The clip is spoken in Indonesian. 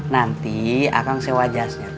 nanti akang sewa jasnya